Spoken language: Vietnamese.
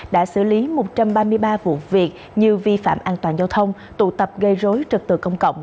đã xử lý một trăm ba mươi ba vụ việc như vi phạm an toàn giao thông tụ tập gây rối trật tự công cộng